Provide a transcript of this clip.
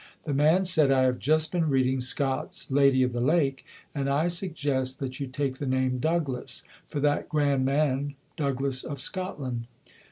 The man said, "I have just been reading Scott's Lady of the Lake and I suggest that you take the name Douglass, for that grand man, Douglass of Scotland".